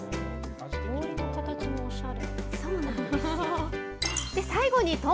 氷の形もおしゃれ。